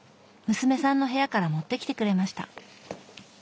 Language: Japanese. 娘さんの部屋から持ってきてくれました。